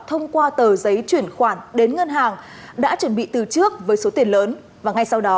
thông qua tờ giấy chuyển khoản đến ngân hàng đã chuẩn bị từ trước với số tiền lớn và ngay sau đó